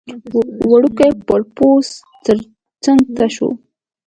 وړوکی سرپوښ څنګ ته شو.